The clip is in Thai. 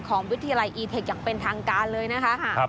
วิทยาลัยอีเทคอย่างเป็นทางการเลยนะคะ